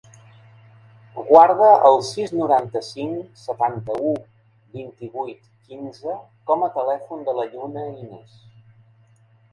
Guarda el sis, noranta-cinc, setanta-u, vint-i-vuit, quinze com a telèfon de la Lluna Ines.